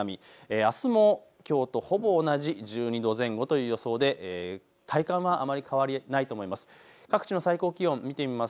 あすもきょうとほぼ同じ１２度前後という予想で体感はあまり変わりないと思います。